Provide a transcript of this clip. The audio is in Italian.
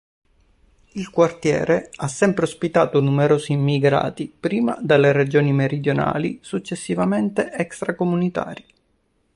Il quartiere ha sempre ospitato numerosi immigrati, prima dalle regioni meridionali, successivamente extracomunitari.